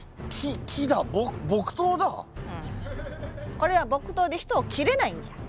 これは木刀で人を斬れないんじゃ。